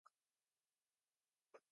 جب مقتول ایک جیسے ہیں۔